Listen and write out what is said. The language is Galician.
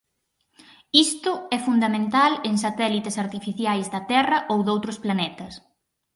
Isto é fundamental en satélites artificiais da Terra ou doutros planetas.